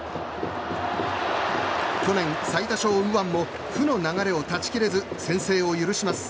去年、最多勝右腕も負の流れを断ち切れず先制を許します。